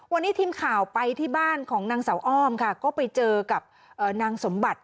วันนี้ทีมข่าวไปที่บ้านของนางสาวอ้อมค่ะก็ไปเจอกับนางสมบัติ